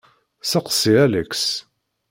Seqsi Alex.